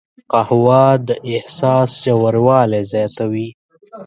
قهوه د احساس ژوروالی زیاتوي